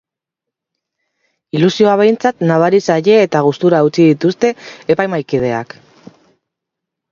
Ilusioa behintzat nabari zaie eta gustura utzi dituzte epaimahaikideak.